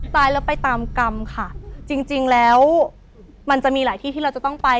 ตายแล้วไปตามกรรมค่ะจริงจริงแล้วมันจะมีหลายที่ที่เราจะต้องไป